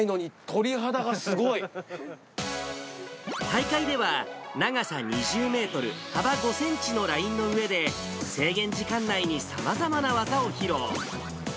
大会では、長さ２０メートル、幅５センチのラインの上で、制限時間内にさまざまな技を披露。